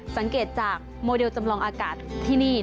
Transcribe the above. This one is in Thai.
สังเกตจากโมเดลจำลองอากาศที่นี่